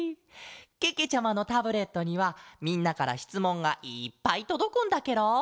けけちゃまのタブレットにはみんなからしつもんがいっぱいとどくんだケロ！